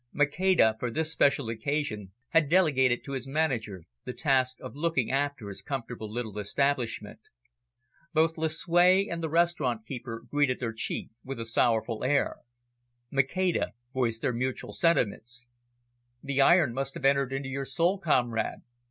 Maceda, for this special occasion, had delegated to his manager the task of looking after his comfortable little establishment. Both Lucue and the restaurant keeper greeted their Chief with a sorrowful air. Maceda voiced their mutual sentiments. "The iron must have entered into your soul, comrade.